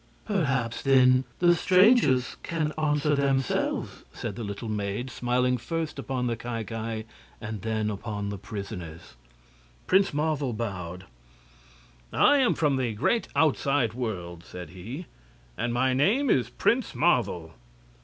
"Perhaps, then, the strangers can answer themselves," said the little maids, smiling first upon the Ki Ki and then upon the prisoners. Prince Marvel bowed. "I am from the great outside world," said he, "and my name is Prince Marvel.